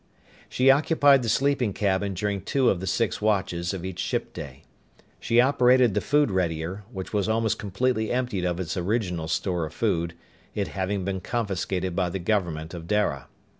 She occupied the sleeping cabin during two of the six watches of each ship day. She operated the food readier, which was almost completely emptied of its original store of food, it having been confiscated by the government of Dara.